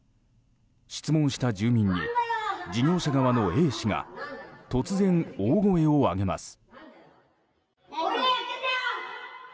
質問した住民の事業者側のＡ氏が突然大声を上げます。